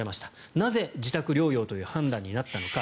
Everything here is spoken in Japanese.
なぜ、自宅療養という判断になったのか。